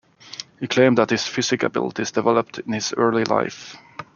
He claimed that his psychic abilities developed in his early life.